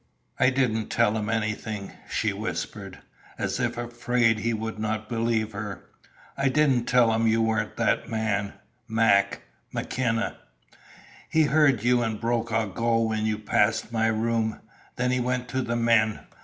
"I didn't tell him anything," she whispered, as if afraid he would not believe her. "I didn't tell him you weren't that man Mac McKenna. He heard you and Brokaw go when you passed my room. Then he went to the men.